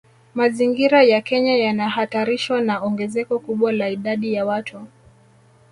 Mazingira ya Kenya yanahatarishwa na ongezeko kubwa la idadi ya watu